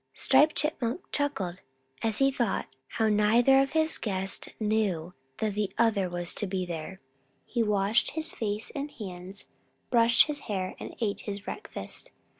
Striped Chipmunk chuckled as he thought how neither of his guests knew that the other was to be there. He washed his face and hands, brushed his hair, and ate his breakfast.